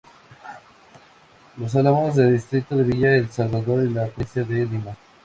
Los Álamos del Distrito de Villa El Salvador en la Provincia de Lima.